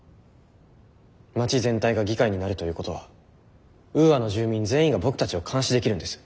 街全体が議会になるということはウーアの住民全員が僕たちを監視できるんです。